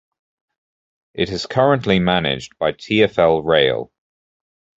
It is currently managed by TfL Rail.